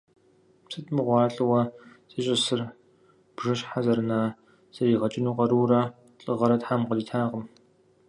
Сыт мыгъуэ ар лӀыуэ зищӀысыр, – бжыщхьэ зэрына зэригъэкӀыну къарурэ лӀыгъэрэ Тхьэм къритакъым.